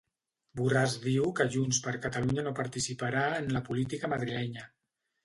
Borràs diu que Junts per Catalunya no participarà en la política madrilenya.